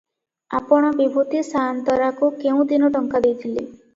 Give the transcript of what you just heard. "ଆପଣ ବିଭୂତି ସାଆନ୍ତରାକୁ କେଉଁଦିନ ଟଙ୍କା ଦେଇଥିଲେ?"